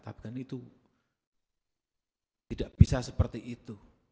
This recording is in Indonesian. tapi kan itu tidak bisa seperti itu